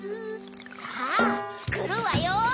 さぁつくるわよ！